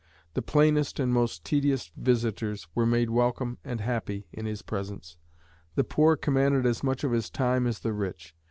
The plainest and most tedious visitors were made welcome and happy in his presence; the poor commanded as much of his time as the rich.